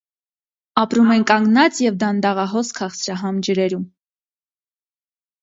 Ապրում են կանգնած և դանդաղահոս քաղցրահամ ջրերում։